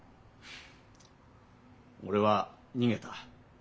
俺は逃げた。